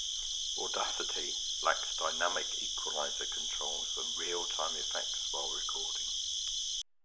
Audacity lacks dynamic equalizer controls and real time effects while recording.